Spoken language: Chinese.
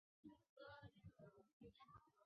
他曾在哈萨克国立大学主修生物技术。